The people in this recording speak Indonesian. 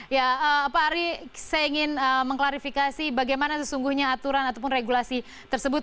ya pak ari saya ingin mengklarifikasi bagaimana sesungguhnya aturan ataupun regulasi tersebut